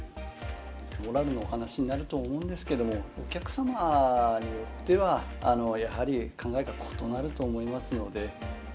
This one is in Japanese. モラルのお話になると思うんですけど、お客様によっては、やはり考えが異なると思いますので。